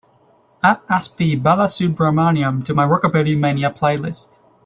Add sp balasubrahmanyam to my rockabilly mania playlist.